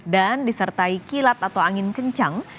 dan disertai kilat atau angin kencang